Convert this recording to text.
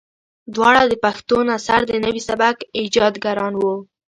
دواړه د پښتو نثر د نوي سبک ايجادګران وو.